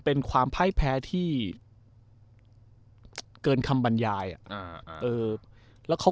โอ้โห